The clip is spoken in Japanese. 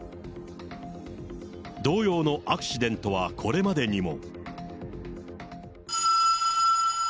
同様のアクシデントはこれまでにも。